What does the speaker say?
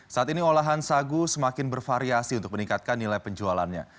saat ini olahan sagu semakin bervariasi untuk meningkatkan nilai penjualannya